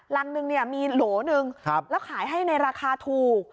รังหนึ่งมีโหลหนึ่งแล้วขายให้ในราคาถูก